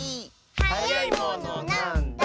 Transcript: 「はやいものなんだ？」